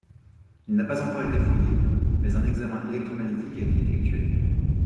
Il n'a pas encore été fouillé, mais un examen électromagnétique a été effectué.